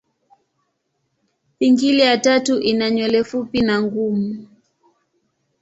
Pingili ya tatu ina nywele fupi na ngumu.